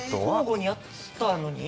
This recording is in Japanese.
交互にやったのに？